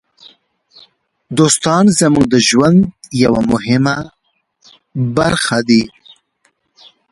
دوستان زموږ د ژوند یوه مهمه برخه دي.